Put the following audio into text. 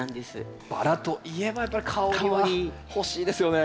バラといえばやっぱり香りは欲しいですよね。